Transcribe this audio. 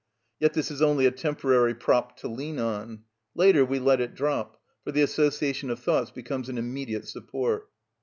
Yet this is only a temporary prop to lean on; later we let it drop, for the association of thoughts becomes an immediate support.